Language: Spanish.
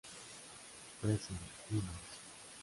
Presents", "Climax!